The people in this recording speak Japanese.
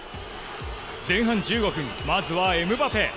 前半１５分、まずはエムバペ。